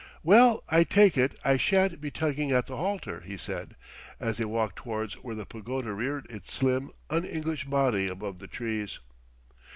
"Well, I take it, I shan't be tugging at the halter," he said, as they walked towards where the pagoda reared its slim, un English body above the trees.